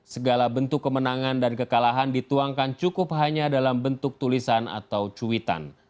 segala bentuk kemenangan dan kekalahan dituangkan cukup hanya dalam bentuk tulisan atau cuitan